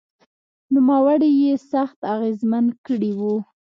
نوموړي یې سخت اغېزمن کړی و